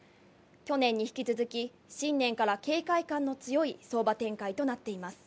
去年に引き続き、新年から警戒感の強い相場展開となっています。